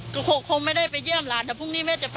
ก็คงไม่ได้ไปเยี่ยมหลาน